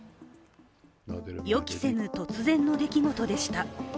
予期せぬ突然の出来事でした。